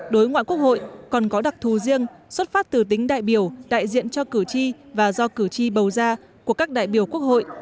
đối ngoại quốc hội còn có đặc thù riêng xuất phát từ tính đại biểu đại diện cho cử tri và do cử tri bầu ra của các đại biểu quốc hội